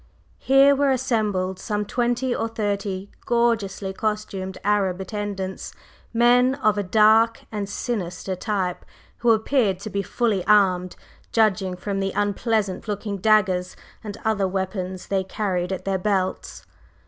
Here were assembled some twenty or thirty gorgeously costumed Arab attendants, men of a dark and sinister type, who appeared to be fully armed, judging from the unpleasant looking daggers and other weapons they carried at their belts.